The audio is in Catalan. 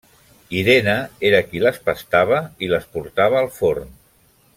Irene era qui les pastava i les portava al forn.